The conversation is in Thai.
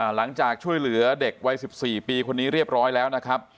หลังจากช่วยเหลือเด็กวัย๑๔ปีคนนี้เรียบร้อยแล้วนะครับ